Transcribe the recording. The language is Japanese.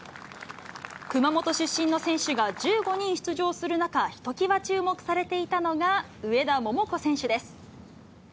熊本出身の選手が１５人出場する中、ひときわ注目されていたのが上田桃子選手です。